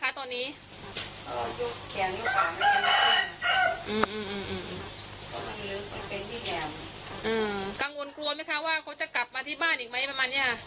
กังวลกลัวไหมว่าจะกลับมาที่บ้านอีกไหมเนี่ย